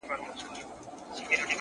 خو زما هيلې له ما نه مرورې!